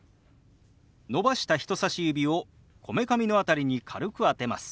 伸ばした人さし指をこめかみの辺りに軽く当てます。